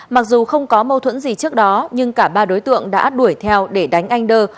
mặc dù không có mâu thuẫn gì trước đó nhưng cả ba đối tượng đã đuổi theo để đánh anh đơ